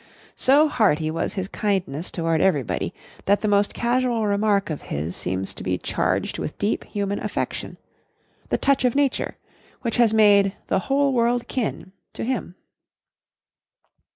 So hearty was his kindness toward everybody that the most casual remark of his seems to be charged with deep human affection "the touch of Nature" which has made "the whole world kin" to him.